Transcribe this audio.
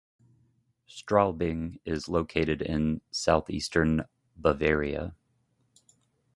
Straubing is located in southeastern Bavaria.